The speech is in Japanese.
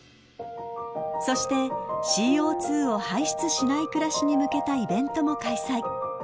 ［そしてＣＯ２を排出しない暮らしに向けたイベントも開催］